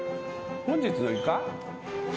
本日のイカ？